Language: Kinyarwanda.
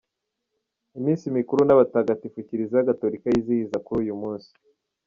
Iminsi mikuru n’abatagatifu kiliziya Gatolika yizihiza kuri uyu munsi:.